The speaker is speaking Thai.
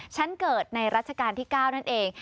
ฉันเกิดในรัชกาลที่๙นั่นเอง